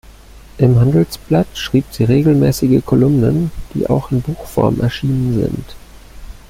Im Handelsblatt schrieb sie regelmäßige Kolumnen, die auch in Buchform erschienen sind.